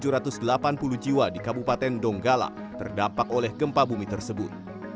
yang terdapat dari kondisi pandemik dan kondisi pandemik yang terdapat dari kondisi pandemik